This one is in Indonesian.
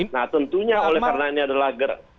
nah tentunya oleh karena ini adalah